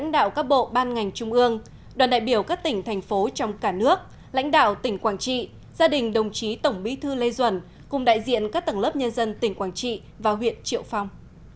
đoàn đại biểu các tỉnh thành phố trong cả nước lãnh đạo tỉnh quảng trị gia đình đồng chí tổng bí thư lê duẩn cùng đại diện các tầng lớp nhân dân tỉnh quảng trị và huyện triệu phong